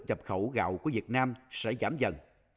nhập khẩu gạo của việt nam sẽ giảm dần